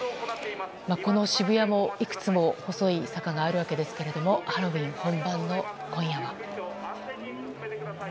この渋谷もいくつも細い坂があるわけですけどもハロウィーン本番の今夜は。